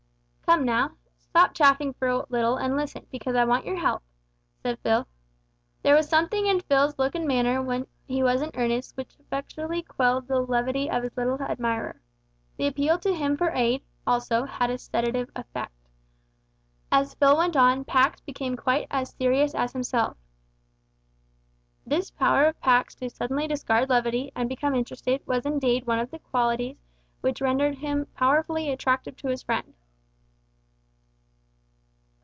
"Come, now, stop chaffing for a little and listen, because I want your help," said Phil. There was something in Phil's look and manner when he was in earnest which effectually quelled the levity of his little admirer. The appeal to him for aid, also, had a sedative effect. As Phil went on, Pax became quite as serious as himself. This power of Pax to suddenly discard levity, and become interested, was indeed one of the qualities which rendered him powerfully attractive to his friend.